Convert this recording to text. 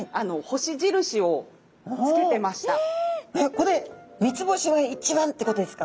これ三つ星が一番ってことですか？